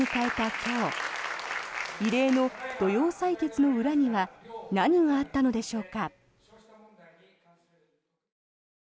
今日異例の土曜日採決の裏には何があったのでしょうか。